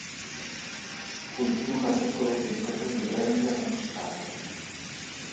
Fu il primo calciatore e giocatore di bandy a conquistarlo.